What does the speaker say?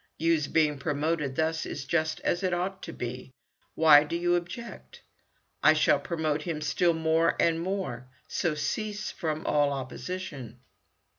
Yoo's being promoted thus is just as it ought to be. Why do you object? I shall promote him still more and more, so cease from all opposition."